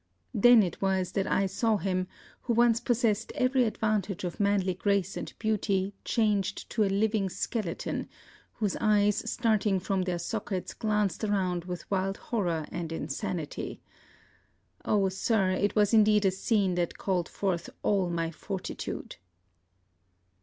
Then it was that I saw him who once possessed every advantage of manly grace and beauty changed to a living skeleton, whose eyes starting from their sockets glanced around with wild horror and insanity. Oh, Sir, it was indeed a scene that called forth all my fortitude!